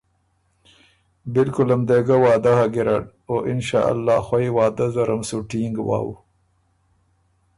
بالکل م دې ګۀ وعدۀ هۀ ګیرډ او انشأالله خوئ وعدۀ زرم سُو ټینګ وَؤ“